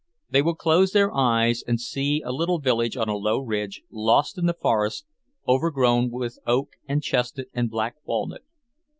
They will close their eyes and see a little village on a low ridge, lost in the forest, overgrown with oak and chestnut and black walnut...